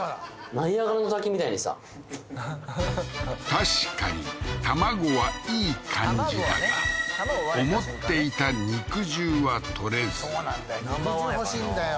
確かに卵はいい感じだが思っていたそうなんだよ